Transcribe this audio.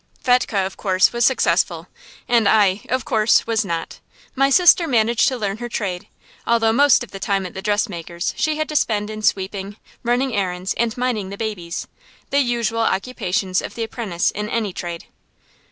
Fetchke, of course, was successful, and I, of course, was not. My sister managed to learn her trade, although most of the time at the dressmaker's she had to spend in sweeping, running errands, and minding the babies; the usual occupations of the apprentice in any trade.